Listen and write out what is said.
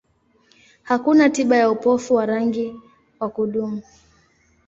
Hakuna tiba ya upofu wa rangi wa kudumu.